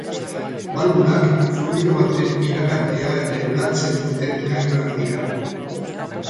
Balbulak fluido baten iragatea erregulatzen duten gailuak dira.